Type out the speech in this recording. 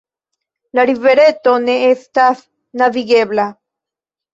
La rivereto ne estas navigebla.